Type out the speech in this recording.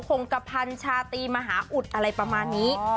คงกระพันธ์ชาตรีมหาอุดอะไรประมาณนี้